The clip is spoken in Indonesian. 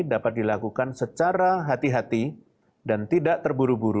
dapat dilakukan secara hati hati dan tidak terburu buru